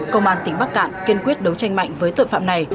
công an tỉnh bắc cạn kiên quyết đấu tranh mạnh với tội phạm này